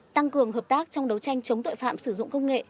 tăng cường hợp tác trong đấu tranh chống tội phạm sử dụng công nghệ